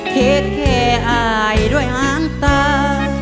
คิดแค่อายด้วยหางตา